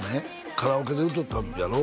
カラオケで歌うたんやろ？